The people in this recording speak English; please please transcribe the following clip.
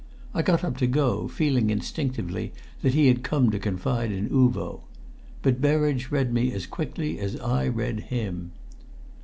I got up to go, feeling instinctively that he had come to confide in Uvo. But Berridge read me as quickly as I read him.